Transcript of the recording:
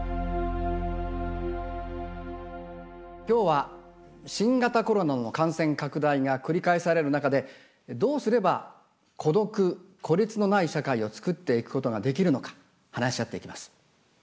今日は新型コロナの感染拡大が繰り返される中でどうすれば孤独・孤立のない社会をつくっていくことができるのか話し合っていきます。